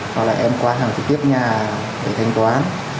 hoặc là em qua hàng trực tiếp nhà để thanh toán